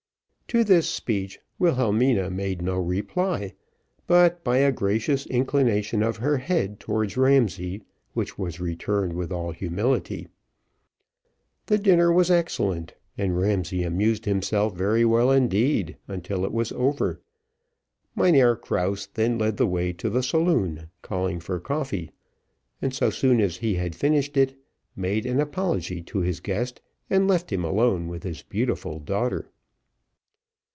To this speech, Wilhelmina made no reply, but by a gracious inclination of her head towards Ramsay, which was returned with all humility. The dinner was excellent, and Ramsay amused himself very well indeed until it was over. Mynheer Krause then led the way to the saloon, called for coffee, and, so soon as he had finished it, made an apology to his guest, and left him alone with his beautiful daughter.